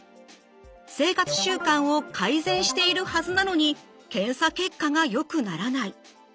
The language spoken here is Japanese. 生活習慣を改善しているはずなのに検査結果がよくならない。